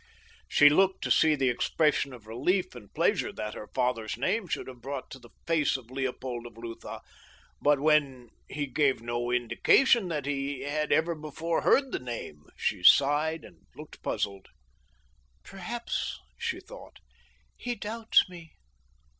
She looked to see the expression of relief and pleasure that her father's name should have brought to the face of Leopold of Lutha, but when he gave no indication that he had ever before heard the name she sighed and looked puzzled. "Perhaps," she thought, "he doubts me.